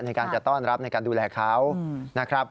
ในการจะต้อนรับในการดูแลเขานะครับ